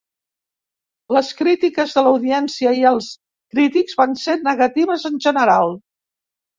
Les crítiques de l'audiència i els crítics van ser negatives en general.